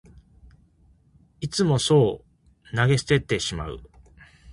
いつもそう投げ捨ててしまう